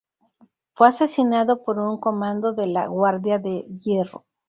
Fue asesinado por un comando de la Guardia de Hierro.